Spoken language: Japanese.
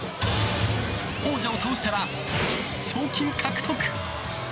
王者を倒したら賞金獲得。